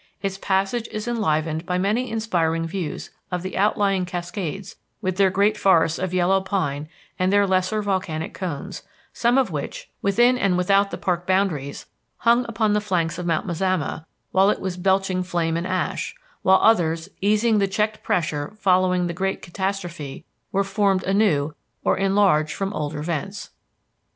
Its passage is enlivened by many inspiring views of the outlying Cascades with their great forests of yellow pine and their lesser volcanic cones, some of which, within and without the park boundaries, hung upon the flanks of Mount Mazama while it was belching flame and ash, while others, easing the checked pressure following the great catastrophe, were formed anew or enlarged from older vents.